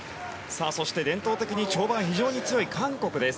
そして伝統的に跳馬が非常に強い韓国です。